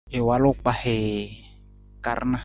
I walu kpahii ka rana.